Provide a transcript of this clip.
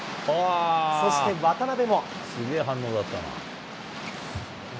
そして渡辺も。